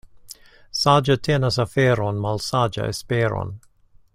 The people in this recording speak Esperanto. Saĝa tenas aferon, malsaĝa esperon.